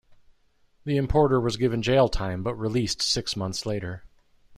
The importer was given jail time but released six months later.